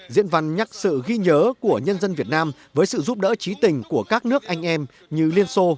diễn văn nhắc sự ghi nhớ của nhân dân việt nam với sự giúp đỡ trí tình của các nước anh em như liên xô